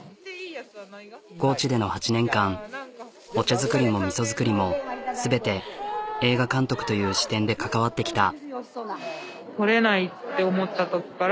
高知での８年間お茶作りもみそ造りも全て映画監督という視点で関わってきた。